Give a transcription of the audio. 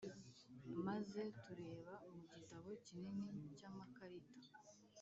maze tureba mu gitabo kinini cy amakarita